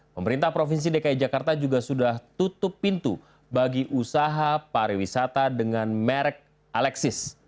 pemerintah provinsi dki jakarta juga sudah tutup pintu bagi usaha pariwisata dengan merek alexis